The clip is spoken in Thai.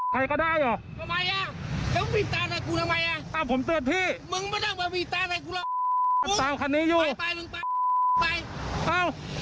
๒๐ปีแล้วเหรอฮะ